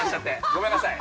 ごめんなさい。